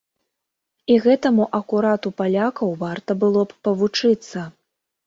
І гэтаму акурат у палякаў варта было б павучыцца!